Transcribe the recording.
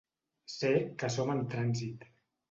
Sé que som en trànsit.